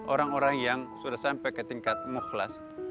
orang orang yang sudah sampai ke tingkat mukhlas